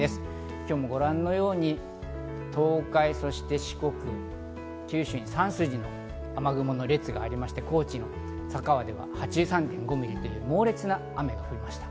今日もご覧のように東海、そして四国、九州に３筋の雨雲の列がありまして、高知の佐川では８３．５ミリという猛烈な雨となりました。